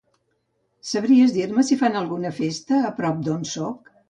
Sabries dir-me si fan alguna festa a prop d'on soc?